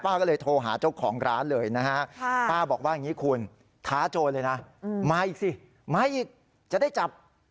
ป้าก็เลยโทรหาเจ้าของร้านเลยนะฮะ